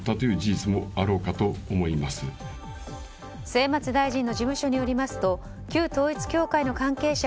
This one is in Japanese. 末松大臣の事務所によりますと旧統一教会の関係者